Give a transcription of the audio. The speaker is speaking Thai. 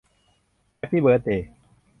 แฮปปี้เบิร์ดเดย์